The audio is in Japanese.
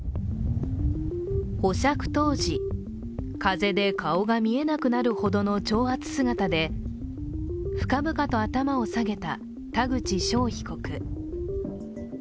保釈当時、風で顔が見えなくなるほどの長髪姿で深々と頭を下げた田口翔被告。